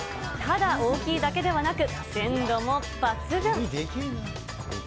ただ大きいだけではなく、鮮度も抜群。